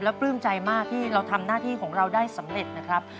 ปลื้มใจมากที่เราทำหน้าที่ของเราได้สำเร็จนะครับ